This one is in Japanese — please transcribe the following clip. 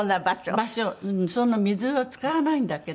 場所そんな水は使わないんだけど。